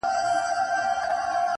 تندي ته مي سجدې راځي چي یاد کړمه جانان؛